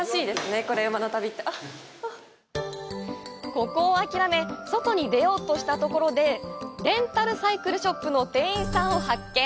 ここを諦め、外に出ようとしたところでレンタルサイクルショップの店員さんを発見！